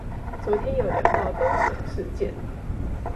昨天有聊到東廠事件